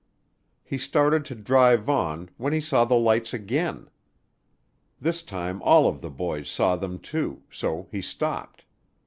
He started to drive on, when he saw the lights again. This time all of the boys saw them too, so he stopped.